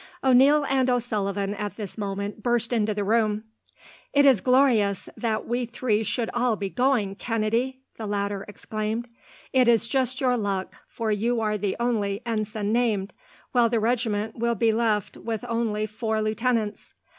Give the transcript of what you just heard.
O'Neil and O'Sullivan, at this moment, burst into the room. "It is glorious that we three should all be going, Kennedy!" the latter exclaimed. "It is just your luck, for you are the only ensign named, while the regiment will be left with only four lieutenants.